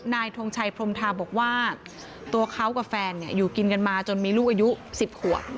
ทงชัยพรมทาบอกว่าตัวเขากับแฟนอยู่กินกันมาจนมีลูกอายุ๑๐ขวบ